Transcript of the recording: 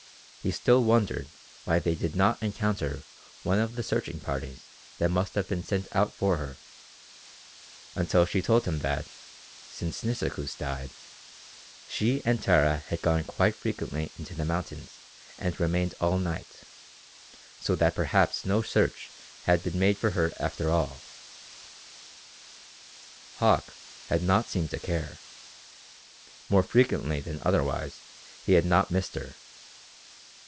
He still wondered why they did not encounter one of the searching parties that must have been sent out for her until she told him that, since Nisikoos died, she and Tara had gone quite frequently into the mountains and remained all night, so that perhaps no search had been made for her after all. Hauck had not seemed to care. More frequently than otherwise he had not missed her.